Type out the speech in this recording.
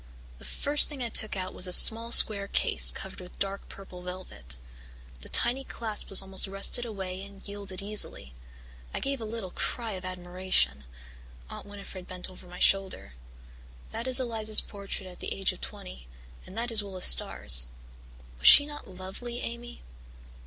The first thing I took out was a small square case covered with dark purple velvet. The tiny clasp was almost rusted away and yielded easily. I gave a little cry of admiration. Aunt Winnifred bent over my shoulder. "That is Eliza's portrait at the age of twenty, and that is Willis Starr's. Was she not lovely, Amy?"